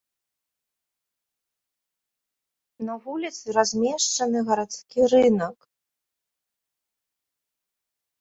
На вуліцы размешчаны гарадскі рынак.